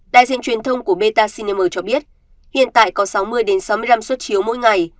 đài diện truyền thông của beta cinema cho biết hiện tại có sáu mươi sáu mươi năm xuất chiếu mỗi ngày